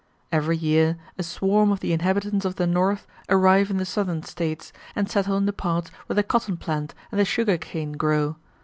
Every year a swarm of the inhabitants of the North arrive in the Southern States, and settle in the parts where the cotton plant and the sugar cane grow.